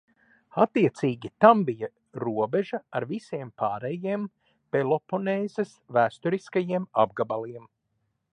Attiecīgi tam bija robeža ar visiem pārējiem Peloponēsas vēsturiskajiem apgabaliem.